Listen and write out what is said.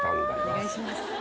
お願いします。